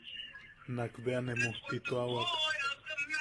Nakbea ne mujtituawak.